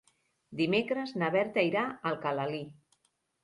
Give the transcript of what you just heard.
Dimecres na Berta irà a Alcalalí.